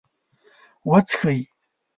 .وڅښئ